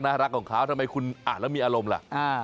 รักของเขาทำไมคุณอ่านแล้วมีอารมณ์ล่ะ